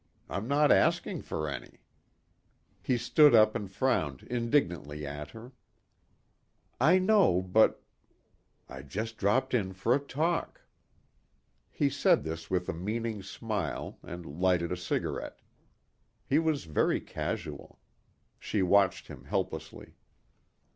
I'm not asking for any." He stood up and frowned indignantly at her. "I know, but " "I just dropped in for a talk." He said this with a meaning smile and lighted a cigarette. He was very casual. She watched him helplessly.